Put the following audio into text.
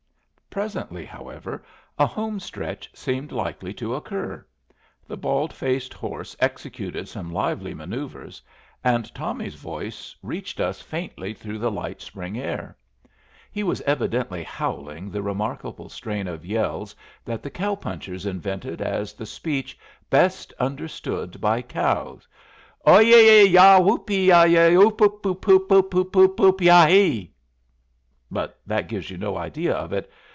Presently, however, a homestretch seemed likely to occur. The bald faced horse executed some lively manoeuvres, and Tommy's voice reached us faintly through the light spring air. He was evidently howling the remarkable strain of yells that the cow punchers invented as the speech best understood by cows "Oi ee, yah, whoop yahye ee, oooo oop, oop, oop oop oop oop yah hee!" But that gives you no idea of it.